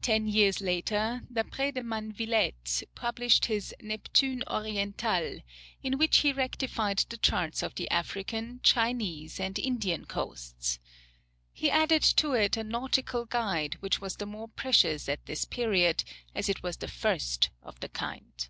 Ten years later d'Après De Mannevillette published his "Neptune Oriental," in which he rectified the charts of the African, Chinese, and Indian coasts. He added to it a nautical guide, which was the more precious at this period, as it was the first of the kind.